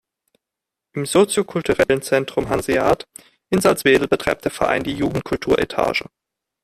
Im Soziokulturellen Zentrum „Hanseat“ in Salzwedel betreibt der Verein die „Jugend-Kultur-Etage“.